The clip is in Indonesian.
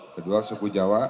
kedua suku jawa